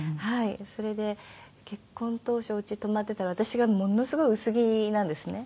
それで結婚当初うちに泊まってたら私がものすごい薄着なんですね。